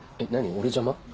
俺邪魔？